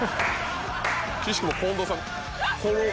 くしくも近藤さん。